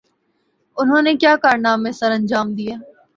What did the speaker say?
انہوں نے کیا کارنامے سرانجام دئیے؟